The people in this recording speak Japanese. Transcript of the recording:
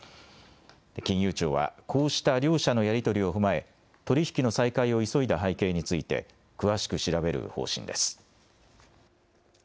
金融庁は、こうした両社のやり取りを踏まえ取り引きの再開を急いだ背景について詳しく調べる方針です。